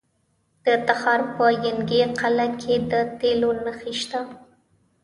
د تخار په ینګي قلعه کې د تیلو نښې شته.